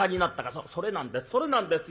「そうそれなんですそれなんですよ。